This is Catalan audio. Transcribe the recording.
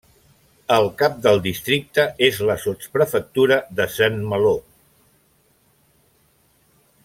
El cap del districte és la sotsprefectura de Saint-Malo.